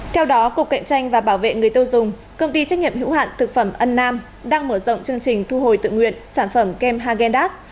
theo đó cục cạnh tranh và bảo vệ người tiêu dùng công ty trách nhiệm hữu hạn thực phẩm ân nam đang mở rộng chương trình thu hồi tự nguyện sản phẩm kem hagendas